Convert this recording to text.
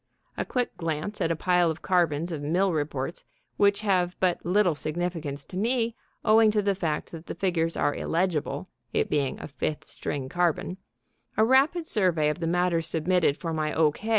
A quick glance at a pile of carbons of mill reports which have but little significance to me owing to the fact that the figures are illegible (it being a fifth string carbon); a rapid survey of the matter submitted for my O.